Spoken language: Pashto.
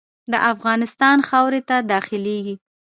د افغانستان خاورې ته داخلیږي.